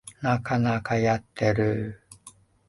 なかなかはやってるんだ、こんな山の中で